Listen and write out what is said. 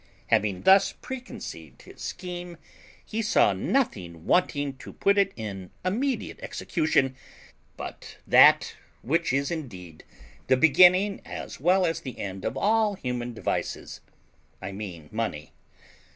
Having thus preconceived his scheme, he saw nothing wanting to put it in immediate execution but that which is indeed the beginning as well as the end of all human devices: I mean money.